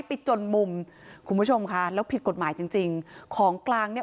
ไปจนมุมคุณผู้ชมค่ะแล้วผิดกฎหมายจริงจริงของกลางเนี่ย